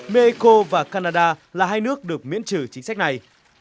mexico và canada là hai nước được miễn trừ chính sách này